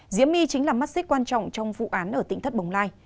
diễm my chính là mắt xích quan trọng trong vụ án ở tỉnh thất bồng lai